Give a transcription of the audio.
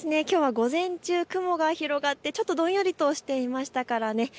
きょうは午前中、雲が広がってちょっとどんよりとしていましたからね。